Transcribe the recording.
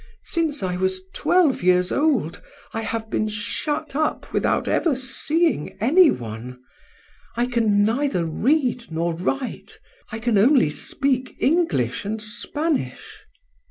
Since I was twelve years old I have been shut up without ever seeing any one. I can neither read nor write, I can only speak English and Spanish."